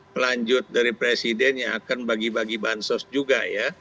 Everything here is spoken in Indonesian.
pelanjut dari presiden yang akan bagi bagi bansos juga ya